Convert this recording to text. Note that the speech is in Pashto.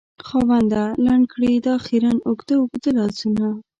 خاونده! لنډ کړې دا خیرن اوږده اوږده لاسونه